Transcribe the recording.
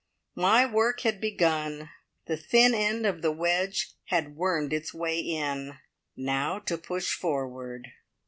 My work had begun. The thin end of the wedge had wormed its way in. Now to push forward.